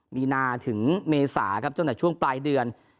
มีนาถึงเมษาครับตั้งแต่ช่วงปลายเดือน